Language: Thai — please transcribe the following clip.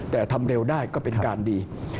แต่ทำเร็วได้ก็เป็นการดี